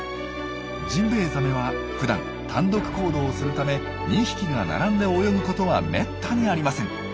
ジンベエザメはふだん単独行動をするため２匹が並んで泳ぐことはめったにありません。